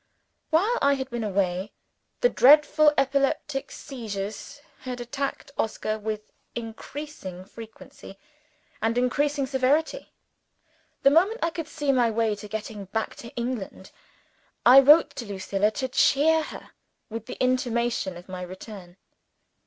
While I had been away, the dreadful epileptic seizures had attacked Oscar with increasing frequency and increasing severity. The moment I could see my way to getting back to England, I wrote to Lucilla to cheer her with the intimation of my return.